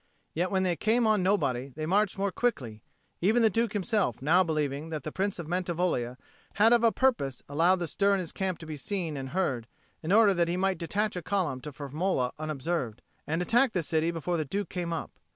Yet when they came on nobody, they marched more quickly, even the Duke himself now believing that the Prince of Mantivoglia had of a purpose allowed the stir in his camp to be seen and heard, in order that he might detach a column to Firmola unobserved, and attack the city before the Duke came up.